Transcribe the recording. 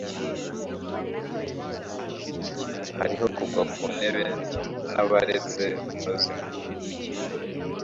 hariho kugwa kuntebe na baretse umuzimu